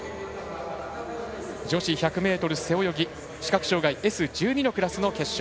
女子１００ｍ背泳ぎ視覚障がいＳ１２のクラスの決勝。